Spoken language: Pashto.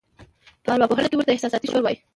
په اروا پوهنه کې ورته احساساتي شور وایي.